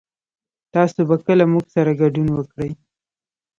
تاسو به کله موږ سره ګډون وکړئ